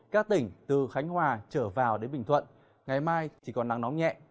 các tỉnh từ khánh hòa trở vào đến bình thuận ngày mai chỉ còn nắng nóng nhẹ